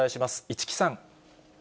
市來さん。